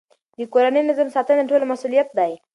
د کورني نظم ساتنه د ټولو مسئولیت دی.